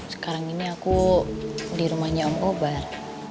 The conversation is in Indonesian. sekarang ini aku di rumahnya om kobar